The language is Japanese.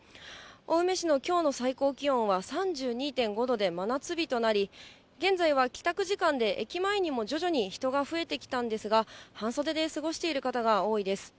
青梅市のきょうの最高気温は３２．５度で、真夏日となり、現在は帰宅時間で駅前にも徐々に人が増えてきたんですが、半袖で過ごしている方が多いです。